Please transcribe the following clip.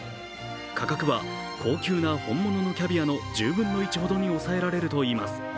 価格は高級な本物のキャビアの１０分の１ほどに抑えられるといいます。